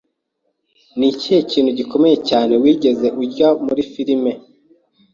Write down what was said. Ni ikihe kintu gikomeye cyane wigeze urya muri firime?